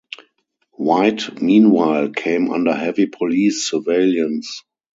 White meanwhile came under heavy police surveillance.